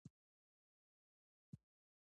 هغه د ټولنې مثبت اړخونه پياوړي کول.